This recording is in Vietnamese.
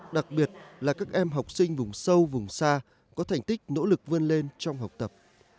đặc biệt là các em học sinh vùng sâu vùng xa có thành tích nỗ lực vươn lên trong học tập